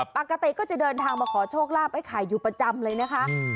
ปกติก็จะเดินทางมาขอโชคลาภไอ้ไข่อยู่ประจำเลยนะคะ